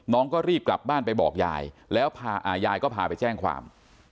น้องก็รีบกลับบ้านไปบอกยายแล้วยายก็พาไปแจ้งความ